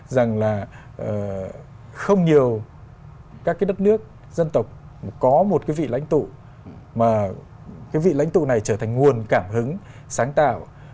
dân tộc có một vị lãnh tụ mà vị lãnh tụ này trở thành nguồn cảm hứng sáng tạo